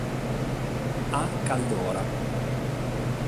A. Caldora".